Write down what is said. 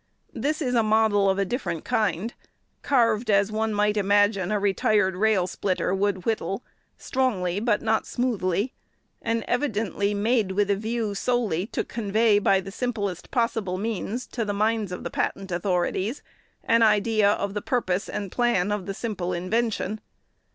This is a model of a different kind; carved as one might imagine a retired rail splitter would whittle, strongly, but not smoothly, and evidently made with a view solely to convey, by the simplest possible means, to the minds of the patent authorities, an idea of the purpose and plan of the simple invention.